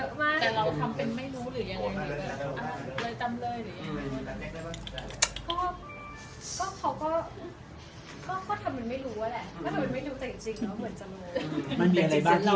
ก็ทำเหมือนไม่รู้แหละแต่จริงเหมือนจะรู้